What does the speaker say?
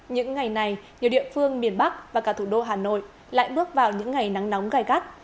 những ngày này nhiều địa phương miền bắc và cả thủ đô hà nội lại bước vào những ngày nắng nóng gai gắt